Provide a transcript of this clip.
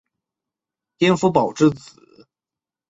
丁福保之子。